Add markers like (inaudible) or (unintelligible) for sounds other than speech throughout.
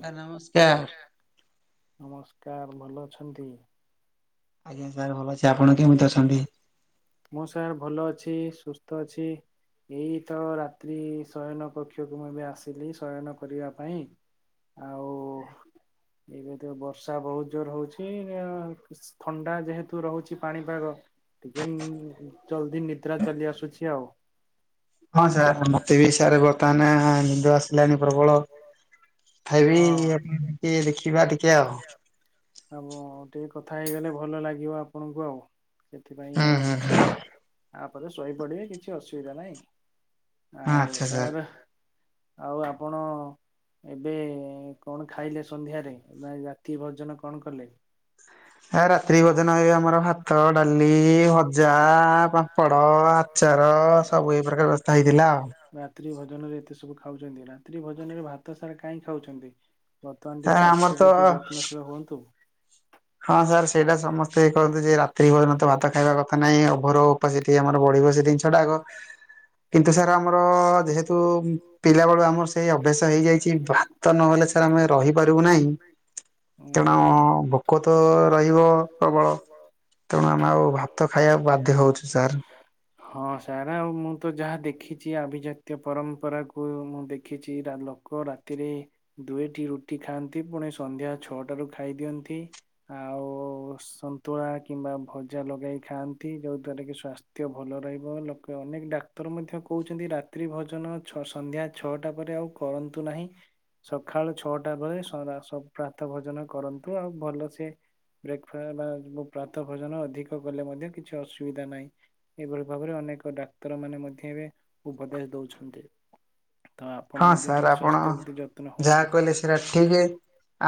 (unintelligible) ନମସ୍କାର୍। ନମସ୍କାର୍, ଭଲ ଅଛନ୍ତି? ଆଜ୍ଞା ସାର୍ ଭଲ ଅଛି, ଆପଣ କେମିତି ଅଛନ୍ତି? ମୁଁ ସାର୍ ଭଲ ଅଛି, ସୁସ୍ଥ ଅଛି। ଏଇ ତ ରାତ୍ରି ଶୟନ କକ୍ଷକୁ ମୁଁ ଏବେ ଆସିଲି ଶୟନ କରିବା ପାଇଁ। ଆଉ ଏବେ ତ ବର୍ଷା ବହୁତ୍ ଜୋର ହଉଚି ଥଣ୍ଡା ଯେହେତୁ ରହୁଚି ପାଣିପାଗ ଟିକେ ଜଲଦି ନିଦ୍ରା ଚାଲି ଆସୁଛି ଆଉ। ହଁ ସାର୍, ମତେ ବି ସାର୍ ବର୍ତ୍ତମାନ୍ ନିଦ ଆସିଲାଣି ପ୍ରବଳ। ତଥାବି (unintelligible) ଟିକେ ଦେଖିବା ଟିକେ ଆଉ। (unintelligible) ଟିକେ କଥା ହେଇଗଲେ ଭଲ ଲାଗିବ ଆପଣଙ୍କୁ ଆଉ, ସେଥିପାଇଁ ଆଉ ତାପରେ ଶୋଇପଡିବେ କିଛି ଅସୁବିଧା ନହିଁ। ଆଉ ସାର୍ ଆଉ ଆପଣ ଏବେ କଣ ଖାଇଲେ ସନ୍ଧ୍ୟାରେ ବା ରାତି ଭୋଜନ କଣ କଲେ? ଆ ରାତ୍ରି ଭୋଜନ (unintelligible) ଆମର ଭାତ, ଡାଲି, ଭଜା, ପାମ୍ପଡ଼ ଅଚାର ସବୁ ଏଇ ପ୍ରକାର ବ୍ୟବସ୍ଥା ହେଇଥିଲା ଆଉ। ରାତ୍ରି ଭୋଜନ ରେ ଏତେ ସବୁ ଖାଉଚନ୍ତି, ରାତ୍ରି ଭୋଜନ ରେ ଭାତ ସାରେ କାଇଁ ଖାଉଚନ୍ତି? ବର୍ତ୍ତମାନ୍ ଟିକେ ସ୍ୱାସ୍ଥ୍ୟ ପ୍ରତି ଯତ୍ନଶୀଳ ହୁଅନ୍ତୁ। ହଁ ସାର୍ ସେଇଟା ସମସ୍ତେ କହନ୍ତି ଯେ ରାତ୍ରି ଭୋଜନ ଭାତ ଖାଇବା କଥା ନାହିଁ ଓଭରୋ (unintelligible) ଆମର ବଢିବ ସେ ଜିନିଷଟା ଆଗ। କିନ୍ତୁ ସାର୍ ଆମର ଯେହେତୁ ପିଲା ବେଳୁ ଆମର ସେଇ ଅଭ୍ୟାସ ହେଇଯାଇଚି ଭା ଭାତ ନହେଲେ ସାର୍ ଆମେ ରହିପାରିବୁ ନାହିଁ, ତେଣୁ ଭୋକ ତ ରହିବ ପ୍ରବଳ, ତେଣୁ ଆମେ ଆଉ ଭାତ ଖାଇବାକୁ ବାଧ୍ୟ ହଉଛୁ ସାର୍। ହଁ ସାରେ ଆଉ ମୁଁ ତ ଯାହା ଦେ ଦେଖିଚି ଆଭିିଜାତ୍ୟ ପରମ୍ପରାକୁ ମୁଁ ଦେଖିଚି, ଲୋକ ରାତିରେ ଦୁଇଟି ରୁଟି ଖାଆନ୍ତି ପୁଣି ସନ୍ଧ୍ୟା ଛଅଟାରୁ ଖାଇ ଦିଅନ୍ତି। ଆଉ ସନ୍ତୁଳା କିମ୍ବା ଭଜା ଲଗେଇ ଖାଆନ୍ତି ଯୋଉ ଦ୍ଵାରା କି ସ୍ଵା ଭଲ ରହିବ ଲୋକେ ଅନେକ ଡାକ୍ତର ମଧ୍ୟ କହୁଛନ୍ତି ରାତ୍ରି ଭୋଜନ ସନ୍ଧ୍ୟା ଛଅଟା ପରେ ଆଉ କରନ୍ତୁ ନାହିଁ। ସକାଳୁ ଛଅଟା ବେଳେ ସ ପ୍ରାତ ଭୋଜନ କରନ୍ତୁ ଆଉ ଭଲସେ ବ୍ରେକ୍ଫା ବା ପ୍ରାତ ଭୋଜନ ଅଧିକ କଲେ ମଧ୍ୟ କିଛି ଅସୁବିଧା ନାହିଁ। ଏଭଳି ଭାବରେ ଅନେକ ଡାକ୍ତରମାନେ ମଧ୍ୟ ଏବେ ଉପଦେଶ ଦଉଛନ୍ତି। ହଁ ସାର୍ ଆପଣ ଯାହା କହିଲେ ସେଟା ଠିକ୍।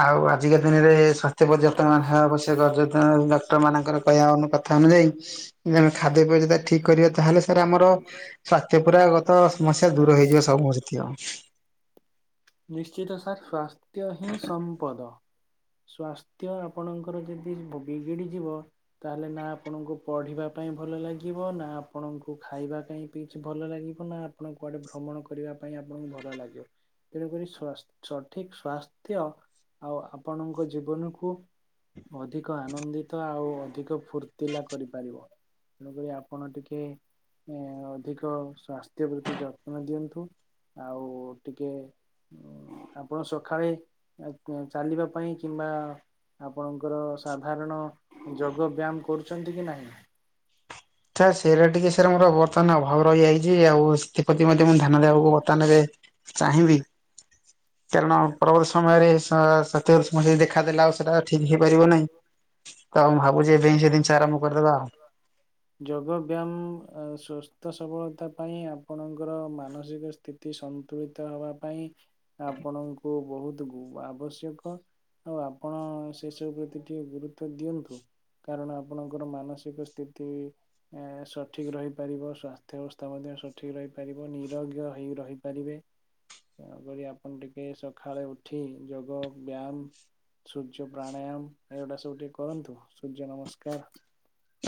ଆଉ ଆଜିକା ଦିନରେ ସ୍ୱାସ୍ଥ୍ୟ ପର୍ଯ୍ୟତ୍ତନ ମବା ଆବଶ୍ୟକ ଡାକ୍ତର ର ମାନଙ୍କର କହିଆ କଥା ଅନୁଯାୟୀ ଯେ ଆମେ ଖାଦ୍ୟ ପେୟ ଯଦି ଠିକ୍ କରିବା ତାହେଲେ ସାର୍ ଆମର ସ୍ଵା ତ୍ୟ ପୁରା ଗତ ସମସ୍ୟା ଦୂର ହେଇଯିବ ସବୁ (unintelligible) ନିଶ୍ଚିତ ସାର୍ ସ୍ୱାସ୍ଥ୍ୟ ହିଁ ସମ୍ପଦ। ସ୍ଵାସ୍ଥ୍ୟ ଆପଣଙ୍କର ଯଦି ବିଗିଡିଯିବ। ତାହେଲେ ନା ଆପଣଙ୍କୁ ପଢିବା ପାଇଁ ଭଲ ଲାଗିବ ନା ଆପଣଙ୍କୁ ଖାଇବା ପାଇଁ ପିଇ କି ଭଲ ଲାଗିବ ନା ଆପଣ କୁଆଡେ ଭ୍ରମଣ କରିବା ପାଇଁ ଆପଣଙ୍କୁ ଭଲ ଲାଗିବ। ତେଣୁକରି ସଠିକ୍ ସ୍ୱାସ୍ଥ୍ୟ ଆଉ ଆପଣଙ୍କ ଜୀବନକୁ ଅଧିକ ଆନନ୍ଦିତ ଆଉ ଅଧିକ ଫୁର୍ତ୍ତିଲା କରିପାରିବ। ତେଣୁକରି ଆପଣ ଟିକେ ଅଧିକ ସାସ୍ଥ୍ୟ ପ୍ରତି ଯତ୍ନ ଦିଅନ୍ତୁ ଆଉ ଟିକେ ଆପଣ ସକାଳେ ଚାଲିବା ପାଇଁ କିମ୍ବା ଆପଣଙ୍କର ସାଧାରଣ ଯୋଗ ବ୍ୟାୟାମ କରୁଛନ୍ତି କି ନାହିଁ। ତ ସେରା ଟିକେ ସାର୍ ମୋର ବର୍ତ୍ତମାନ ଅଭାବ ରହିଯାଇଛି ଆଉ। ଏଥିପତି ମଧ୍ୟ ମୁଁ ଧ୍ୟାନ ଦେବାକୁ ବର୍ତ୍ତାମାନ ରେ ଚାହିଁବି। କାରଣ ପରବର୍ତ୍ତୀ ସମୟରେ ସ (unintelligible) ଦେଖାଦେଲେ ଆଉ ସେଟା ଠିକ୍ ହେଇପାରିବ ନାହିଁ। ତ ମୁଁ ଭାବୁଛି ଏବେ ହିଁ ସେ ଜିନିଷ ଆରମ୍ଭ କରିଦବା ଆଉ। ଯୋଗ ବ୍ୟାୟାମ ସ୍ୱସ୍ଥ ସବଳତା ପାଇଁ ଆପଣଙ୍କର ମାନସିକ ସି ସ୍ଥିତି ସନ୍ତୁଳିତ ହେବା ପାଇଁ ଆପଣଙ୍କୁ ବହୁତ ଆବଶ୍ୟକ। ତ ଆପଣ ସେସବୁ ପ୍ରତି ଟିକେ ଗୁରୁତ୍ଵ ଦିଅନ୍ତୁ। କାରଣ ଆପଣଙ୍କର ମାନସିକ ସ୍ଥିତି ଏ ସଠି୍କ ରହିପାରିବ ସ୍ୱାସ୍ଥ୍ୟ ଅବସ୍ଥା ମଧ୍ୟ ସଠିକ ରହିପାରିବ ନିରୋଗ୍ୟ ହେଇ ରହିପାରିବେ। ତେଣୁକରି ଆପଣ ଟିକେ ସକାଳେ ଉଠି ଯୋଗ ବ୍ୟାୟାମ ସୂର୍ଯ୍ୟ ପ୍ରାଣାୟାମ ଏଗୁଟା ସବୁ ଟିକେ କରନ୍ତୁ, ସୂର୍ଯ୍ୟ ନମସ୍କାର।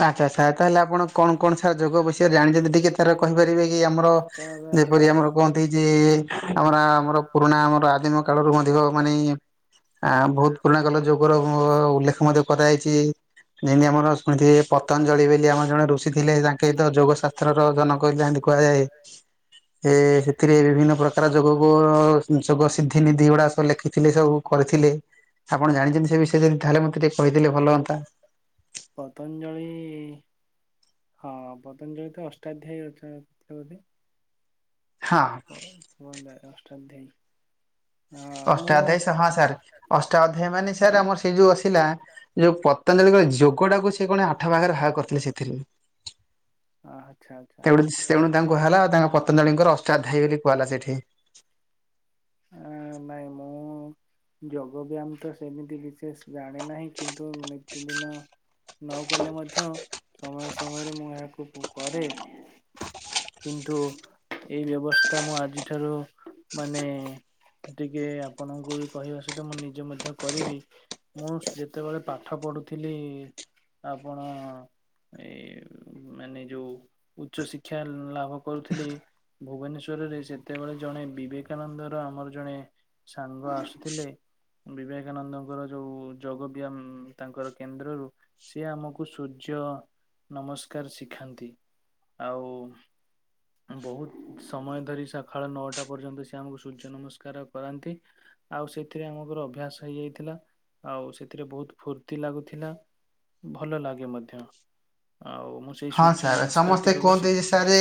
ଆଚ୍ଛା ଆଛା, ତାହେଲେ ଆପଣ କଣ କଣ ସାର୍ ଯୋଗ ବିଷୟରେ ଜାଣି ଚନ୍ତି ଟିକେ ତାର କହିପାରିବେ କି ଆମର ଚାବା କୁହନ୍ତି ଯେ ଆମର ଆମର ପୁରୁଣା ଆମର ଆଦିମ କାଳରୁ ମଧ୍ୟ ମାନେ ଆ ବହୁତ ପୁରୁଣା କାଳ ଯୋଗର ଉଲ୍ଲେଖ ମଧ୍ୟ କରାଯାଇଛି ଯେମତି ଆମର ସ୍ମୁତି ପତଞ୍ଜଳି ବୋଲି ଆମର ଜଣେ ଋଷି ଥିଲେ ତାଙ୍କେ ତ ଯୋଗ ଶାସ୍ତ୍ରର ଜନକନ୍ତି କୁହାଯାଏ। ଏ ସେଥିରେ ବିଭିନ୍ନ ପ୍ରକାର ଯୋଗ ଯୋଗ ସିଦ୍ଧିନିଧି ଏଗୁଡା ସବୁ ଲେଖିଥିଲେ ସବୁ। କରିଥିଲେ ଆପଣ ଜାଣିଛନ୍ତି ସେ ବିଷୟରେ ଯଦି ତାହେଲେ ମତେ ଟିକେ କହିଥିଲେ ଭଲ ହୁଅନ୍ତା। ପତଞ୍ଜଳି ହଁ ପତଞ୍ଜଳି ତ ଅଷ୍ଟାଧ୍ୟାୟଧ ହଉ ହ ଯ ଅଷ୍ଟା ଅଧ୍ୟ ଅଷ୍ଟା ଅଧ୍ୟାୟ ହଁ ସାର୍ ଅଷ୍ଟା ଅଧ୍ୟାୟ ମାନେ ସାର୍ ଆମର ସେଇ ଯୋଉ ଆସିଲା। ଯୋଉ ପତଞ୍ଜଳିର ଯୋଗ ଟାକୁ ସେ କଣେ ଆଠ ଭାଗରେ ବାହାର କରିଥିଲେ ସେଥିରୁ। ଆଚ୍ଛା ଆଚ୍ଛା। ସେବେ ସେବେଠୁ ତାଙ୍କୁ କୁହାଗଲା ହେଲା ତାଙ୍କ ପତଞ୍ଜଜଳିଙ୍କର ଅଷ୍ଟାଧାୟ ବୋଲି କୁହାହେଲା ସେଠି। ହ ନାଇଁ ମୁଁ ଯୋଗ ବ୍ୟାୟାମ ତ ସେମିତି ବିଶେଷ ଜାଣେ ନାହିଁ। କିନ୍ତୁ ନିତିଦିନ ନକଲେ ମଧ୍ୟ ସମୟ ସମୟରେ ମୁଁ ଏହାକୁ କରେ। କିନ୍ତୁ ଏଇ ବ୍ୟବସ୍ଥା ମୁଁ ଆଜିଠାରୁ ମାନେ ଟିକେ ଆପଣଙ୍କୁ ବି କହିବା ସହିତ ମୁଁ ନିଜେ ମଧ୍ୟ କରିବି। ମୁଁ ଯେତେବେଳେ ପାଠ ପଢୁଥିଲି ଆପଣ ଏ ମାନେ ଯୋଉ ଉଚ୍ଚ ଶିକ୍ଷା ଲାଭ କରୁଥିଲି। ଭୁବନେଶ୍ୱରରେ ସେତେବେଳେ ଜଣେ ବିବେକାନନ୍ଦର ଆମର ଜଣେ ସାଙ୍ଗ ଆସୁଥିଲେ। ବିବେକାନନ୍ଦଙ୍କର ଯୋଉ ଯୋଗ ବ୍ୟାମ ତାଙ୍କର କେନ୍ଦ୍ରରୁ। ସିଏ ଆମକୁ ସୂର୍ଯ୍ୟ ନମସ୍କାର ଶିଖାନ୍ତି। ଆଉ ବହୁତ ସମୟ ଧରି ସକାଳ ନଅଟା ପର୍ଯ୍ୟନ୍ତ ସିଏ ଆମକୁ ସୂର୍ଯ୍ୟ ନମସ୍କାର କରାନ୍ତି। ଆଉ ସେଥିରେ ଆମଙ୍କର ଅଭ୍ୟାସ ହେଇଯାଇଥିଲା। ଆଉ ସେଥିରେ ବହୁତ ଫୁର୍ତ୍ତି ଲାଗୁଥିଲା। ଭଲ ଲାଗେ ମଧ୍ୟ। ଆଉ ମୁଁ ହଁ ସାର୍ ସମସ୍ତେ କୁହନ୍ତି ଯେ ସାର୍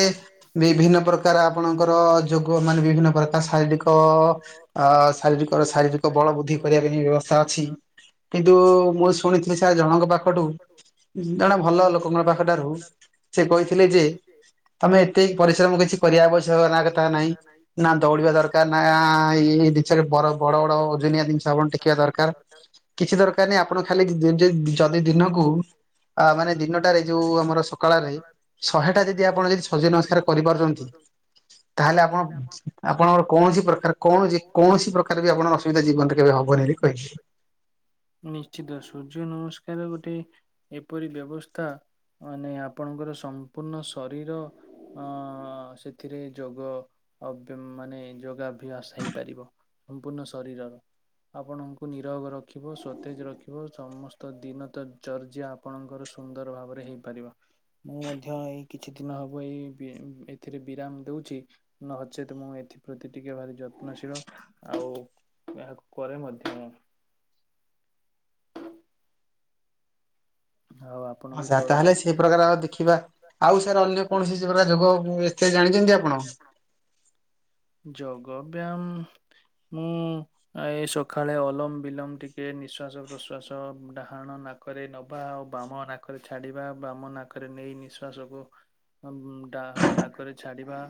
ବିଭିନ୍ନ ପ୍ରକାର ଆପଣଙ୍କର ଯୋଗ ମାନେ ବିଭିନ୍ନ ପ୍ରକାର ଶାରୀରିକ ଅ ଶାରୀରିକ ଶାରୀରିକ ବଳ ବୃଦ୍ଧି କରିବା ପାଇଁ ବ୍ୟବସ୍ଥା ଅଛି। କିନ୍ତୁ ମୁଁ ଶୁଣିଥିଲି ସାର୍ ଜଣଙ୍କ ପାଖଠୁ ଜଣେ ଭଲ ଲୋକଙ୍କ ପାଖଟାରୁ ସେ କହିଥିଲେ ଯେ ତମେ ଏତେ ପରିଶ୍ରମ କିଛି କରିବା ଆବଶ୍ୟକ ନା କଥା ନାହିଁ। ନା ଦୌଡିବା ଦରକାର। ନା ଏଇ ଜିନଷରେ ବର ବଡ ବଡ ଓଜୁନିଆ ଜିନିଷ ଆପଣ ଟେକିବା ଦରକାର। କିଛି ଦରକାର ନାହିଁ। ଆପଣ ଖାଲି ଯ-ଯ-ଯଦି ଦିନକୁ ଆ ମାନେ ଦିନଟାରେ ଯୋଉ ଆମର ସ ସକାଳରେ ଶହେଟା ଯଦି ଆପଣ ଯଦି ସର୍ଯ୍ୟ ନମସ୍କାର କରିପାରୁଛନ୍ତି ତାହେଲେ ଆପଣ ଆପଣଙ୍କର କୌଣସି ପ୍ରକାର କଣ ଯେ କୌଣସି ପ୍ରକାର ବି ଆପଣଙ୍କ ଅସୁବିଧା ଜୀବନରେ କେବେ ହବନି ବୋଲି କହିଥିଲେ। ନିଶ୍ଚିତ ସୂର୍ଯ୍ୟ ନମସ୍କାର ଗୋଟେ ଏପରି ବ୍ୟବସ୍ଥା ମାନେ ଆପଣଙ୍କର ସମ୍ପୂର୍ଣ୍ଣ ଶରୀର ଅ ସେଥିରେ ଯୋଗ ଅବ ମାନେ ଯୋଗ ଅଭ୍ୟାସ ହେଇପାରିବ ସମ୍ପୂର୍ଣ୍ଣ ଶରୀରର। ଆପଣଙ୍କୁ ନିରୋଗ ରଖିବ ସତେଜ ରଖିବ। ସମସ୍ତ ଦିନ ତ ଚର୍ଯ୍ୟା ଆପଣଙ୍କର ସୁନ୍ଦର ଭାବରେ ହେଇପାରିବ। ମୁଁ ମଧ୍ୟ ଏଇ କିଛି ଦିନ ହବ ଏଇ ବି ଏଥିରେ ବିରାମ ଦଉଛି। ନଚେତ ମୁଁ ଏଥିପ୍ରତି ଟିକେ ଭାରି ଯତ୍ନଶୀଳ। ଆଉ ଏହାକୁ କରେ ମଧ୍ୟ। ଆଉ ଆ ହଁ ସାର ତାହେଲେ ସେଇ ପ୍ରକାର ଆଉ ଦେଖିବା। ଆଉ ସାର୍ ଅନ୍ୟ କୌଣସି ସେଇଭଳିଆ ଯୋଗ ଏଥିରେ ଜାଣିଛନ୍ତି ଆପଣ। ଯୋଗ ବ୍ୟାୟାମ ମୁଁ ଏଇ ସକାଳେ ଅଲମ ବିଲମ ଟିକେ ନିଶ୍ଵାସ ପ୍ରଶ୍ଵାସ ଡାହାଣ ନା ନାକରେ ନବା ଆଉ ବାମ ନାକରେ ଛାଡ଼ିବା। ବାମ ନାକରେ ନେଇ ନିଃଶ୍ଵାସକୁ ଡାହାଣ ନାକରେ ଛାଡିବା।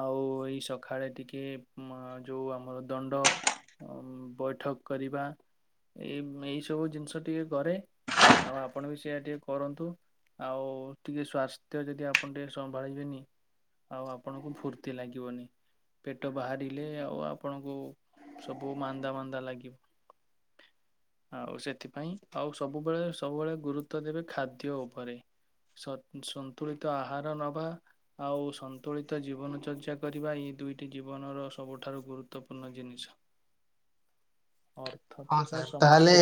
ଆଉ ଏଇ ସକାଳେ ଟିକେ ଅ ଯୋଉ ଆମର ଦଣ୍ଡ ବୈଠକ କରିବା। ଏଇମ ଏଇ ସବୁ ଜିନିଷ ଟିକେ କରେ ଆଉ ଆପଣ ବି ସେଇୟା ଟିକେ କରନ୍ତୁ। ଆଉ ଟିକେ ସ୍ଵାସ୍ଥ୍ୟ ଯଦି ଆପଣ ଟିକେ ସମ୍ଭାଳିବେନି। ଆଉ ଆପଣଙ୍କୁ ଫୁର୍ତ୍ତି ଲାଗିବନି। ପେଟ ବାହାରିଲେ ଆଉ ଆପଣଙ୍କୁ ସବୁ ମାନ୍ଦା ମାନ୍ଦା ଲାଗି ଆଉ ସେଥିପାଇଁ ଆଉ ସବୁବେଳେ ସବୁବେଳେ ଗୁରୁତ୍ବ ଦେବେ ଖାଦ୍ୟ ଉପରେ। ସ-ସନ୍ତୁଳିତ ଆହାର ନବା। ଆଉ ସନ୍ତୁଳିତ ଜୀବନଚର୍ଯ୍ୟା କରିବା ଏଇ ଦୁଇଟି ଜୀବନର ସବୁଠାରୁ ଗୁରୁତ୍ୱପୂର୍ଣ୍ଣ ଜିନିଷ। ଅର ହଁ ସାର୍ ତାହେଲେ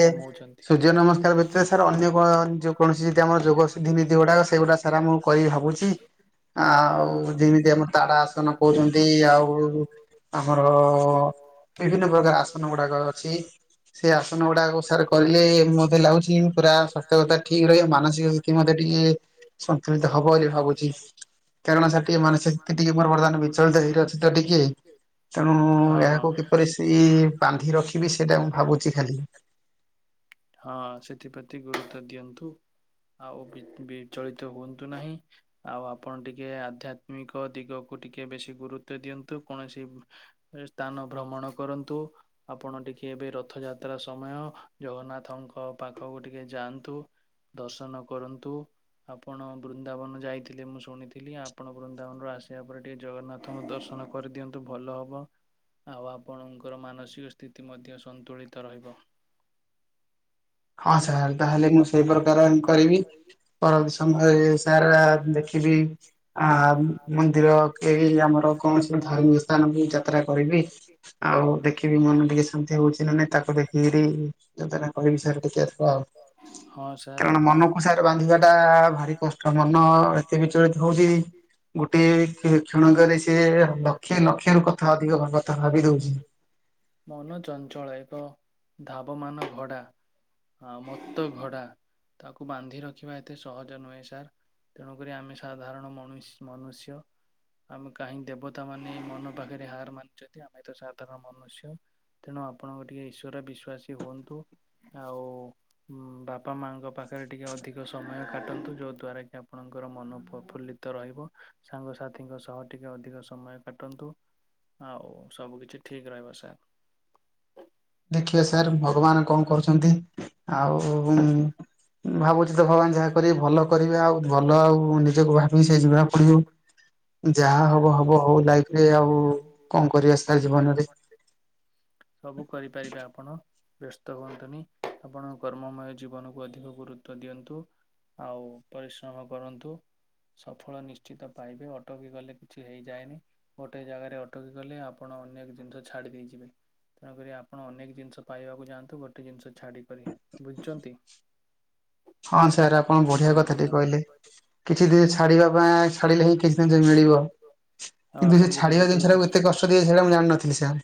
ସୂର୍ଯ୍ୟ ନମସ୍କାର ଭିତରେ ସାର୍ ଅନ୍ୟ କ ଯେକୌଣସି ଯଦି ଆମର ଯୋଗ ସୁଧିବିଧି ଗୁଡ଼ାକ ସେଗୁଡା ସାର ଆମ ସାର ଆମକୁ କହିବେ ଭାବୁଛି। ଆଉ ଯେମିତି ଆମ ତାରା ଆସନ କହୁଛନ୍ତି ଆଉ। ଆମର ବିଭିନ୍ନ ପ୍ରକାର ଆସନ ଗୁଡାକ ଅଛି। ସେ ଆସନ ଗୁଡାକ ସାର୍ କରିଲେ ମୋତେ ଲାଗୁଛି ପୁରା ସ୍ୱାସ୍ଥ୍ୟ (unintelligible) ଠିକ ରହିବ ମାନସିକ କି ମତେ ଟିକେ ସନ୍ତୁଳିତ ହବ ବୋଲି ଭାବୁଛି। କାରଣ ସାର୍ ଟିକେ ମାନସିକ ସ୍ଥିତି ମୋର ବର୍ତ୍ତମାନ ବିଚଳିତ ହେଇ ଅଛି ତ ଟିକେ। ତେଣୁ ଏହାକୁ କିପରି ସେ ବାନ୍ଧି ରଖିବି ସେଇଟା ମୁଁ ଭାବୁଛି ଖାଲି। ହଁ ସେଥିପ୍ରତି ଗୁରୁତ୍ବ ଦିଅନ୍ତୁ ଆଉ ବି-ବିଚଳିତ ହୁଅନ୍ତୁ ନାହିଁ। ଆଉ ଆପଣ ଟିକେ ଆଧ୍ୟାତ୍ମିକ ଦିଗକୁ ଟିକେ ବେଶୀ ଗୁରୁତ୍ଵ ଦିଅନ୍ତୁ କୌଣସି। ଏ ସ୍ଥାନ ଭ୍ରମଣ କରନ୍ତୁ ଆପଣ ଟିକେ ଏବେ ରଥଯାତ୍ରା ସମୟ ଜଗନ୍ନା ନାଥଙ୍କ ପାଖକୁ ଟିକେ ଯାଆନ୍ତୁ ଦର୍ଶନ କରନ୍ତୁ। ଆପଣ ବୃନ୍ଦାବନ ଯାଇଥିଲେ ମୁଁ ଶୁଣିଥିଲି ଆପଣ ବୃନ୍ଦାବନରୁ ଆସିବା ପରେ ଟିକେ ଜଗନ୍ନାଥଙ୍କୁ ଦର୍ଶନ କରିଦିଅନ୍ତୁ ଭଲ ହବ ଆଉ ଆପଣଙ୍କର ମାନସିକ ସ୍ଥିତି ମଧ୍ୟ ସନ୍ତୁଳିତ ରହିବ। ହଁ ସାର୍ ତାହେଲେ ମୁଁ ସେଇ ପ୍ରକାର ମୁଁ କରିବି। ପରବର୍ତ୍ତୀ ସମୟରେ ସାର ଦେଖିବି ଆ ମନ୍ଦିର। ଏଇ ଆମର କୌଣସି ଧାର୍ମିୟ ସ୍ଥାନ ବି ଯାତ୍ରା କରିବି ଆଉ ଦେଖିବି ମନ ଟିକେ ଶାନ୍ତି ହଉଛି ନା ନାଇ ତାକୁ ଦେଖିକିରି ଯୋଜନା କ ଟିକେ ସ କାରଣ ମନ ଖୋସାର ବାନ୍ଧିବା ଟା ଭାରି କଷ୍ଟ ମନ ଏତେ ବିଚଳିତ ହଉଛି। ଗୋଟେ ଖେ କ୍ଷଣ କରେ ସିଏ ଲକ୍ଷେ ଲକ୍ଷେ ର କଥା ଅଧିକ କ-କଥା ଭାବି ଦଉଛି। ମନଚଞ୍ଚଳ ଏକ ଧାବମାନ ଭଡ଼ା। ହଁ ମତ ଘଡା ତାକୁ ବାନ୍ଧି ରଖିବା ଏତେ ସହଜ ନୁହେଁ ସାର୍। ତେଣୁକରି ଆମେ ସାଧାରଣ ମଣୁଷ ମନୁଷ୍ୟ। ଆମେ କାହିଁ ଦେବତା ମାନେ ମନ ପାଖରେ ହାର ମାନିଛନ୍ତି ଆମେ ତ ସାଧାରଣ ମନୁଷ୍ୟ। ତେଣୁ ଆପଣ ଟିକେ ଈଶ୍ବର ବିଶ୍ଵାସୀ ହୁଅନ୍ତୁ ଆଉ। ଉଁ ବାପା ମାଙ୍କ ପାଖରେ ଟିକେ ଅଧିକ ସମୟ କାଟନ୍ତୁ ଯୋଉ ଦ୍ଵାରା କି ଆପଣଙ୍କର ମନ ପ୍ରଫୁଲ୍ଲି ତ ରହିବ ସାଙ୍ଗସାଥିଙ୍କ ସହ ଟିକେ ଅଧିକ ସମୟ କାଟନ୍ତୁ। ଆଉ ସବୁ କିିଛି ଠିକ୍ ରହିବ ସାର୍। ଦେଖିବା ସାର୍ ଭଗବାନ କଣ କରୁଛନ୍ତି ଆଉଁ। ଭାବୁଛି ତ ଭଗବାନ ଯାହା କରିବେ ଭଲ କରିବେ ଆଉ ଭଲ ଆଉ ନିଜକୁ ଭାବି ସେ ଯିବାକୁ ପଡିବ। ଯାହା ହବ ହବ ହଉ ଲାଇଫରେ ଆଉ କଣ କରିଆ ସାର୍ ଜୀବନରେ। ସବୁ କରିପାରିବେ ଆପଣ। ବ୍ୟସ୍ତ ହୁଅନ୍ତୁନି ଆପଣ କର୍ମମୟ ଜୀବନକୁ ଅଧିକ ଗୁରୁ ତ୍ବ ଦିଅନ୍ତୁ ଆଉ ପରିଶ୍ରମ କରନ୍ତୁ। ସଫଳ ନିଶ୍ଚିତ ପାଇବେ ଅଟକି ଗଲେ କିଛି ହେଇଯାଏନି। ଗୋଟେ ଜାଗାରେ ଅଟକି ଗଲେ ଆପଣ ଅନେକ ଜିନିଷ ଛାଡି ଦେଇଯିବେ। ତେଣୁକରି ଆପଣ ଅନେକ ଜିନିଷ ପାଇବାକୁ ଯାଆନ୍ତୁ ଗୋଟେ ଜିନିଷ ଛାଡ଼ିକରି ବୁଝୁଛନ୍ତି। ହଁ ସାର୍ ଆପଣ ବଢିଆ କଥା ଟିକେ କହିଲେ। କିଛି ଦିନ ଛାଡ଼ିବା ପାଇଁ ଛାଡ଼ିଲେ ହିଁ କିଛି ଦିନ ଯ ମିଳିବ। କିନ୍ତୁ ସେ ଛାଡିବା ଜିନିଷଟାକୁ ଏତେ କଷ୍ଟ ଦିଏ ସେଇଟା ମୁଁ ଜାଣିନଥିଲି ସାର୍।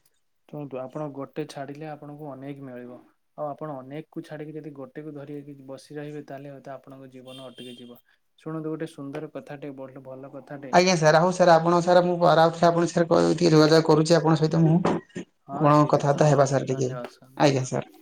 ଶୁଣନ୍ତୁ ଆପଣ ଗୋଟେ ଛାଡ଼ିଲେ ଆପଣଙ୍କୁ ଅନେକ ମିଳିବ। ଆଉ ଆପଣ ଅନେକ କ ଛଡିକି ଯଦି ଗୋଟେକୁ ଧକି ବସ ରହିବେ ତାହେଲେ ହତ ଆପଣଙ୍କ ଜୀବନ ଅଟକି ଯିବ ଶୁଣନ୍ତୁ ଗୋଟେ ସୁନ୍ଦର କଥା ଟେ ଭଲ କଥା ଆଜ୍ଞା ସାର୍ ଆଉ ସାର୍ ଆପଣଙ୍କ ସାର୍ ମୁଁହୁି ଆପଣଙ୍କ ସାର୍ ଟିକେ ଯୋଗାଯୋଗ କରୁଛି ଆପଙ୍କ ସହିତ ମୁଁ। କଣ କଥାବାର୍ତ୍ତା ହେବା ସାର୍ ଟିକେ ଆଜ୍ଞା ସାର୍।